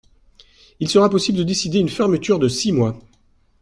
Il sera possible de décider une fermeture de six mois.